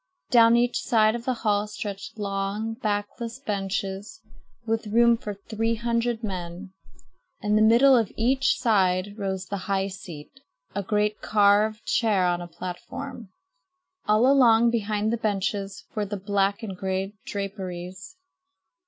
Down each side of the hall stretched long, backless benches, with room for three hundred men. In the middle of each side rose the high seat, a great carved chair on a platform. All along behind the benches were the black and gray draperies.